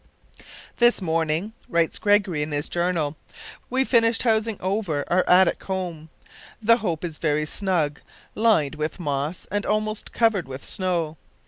"This morning," writes Gregory, in his journal, "we finished housing over our Arctic home. The Hope is very snug, lined with moss, and almost covered with snow.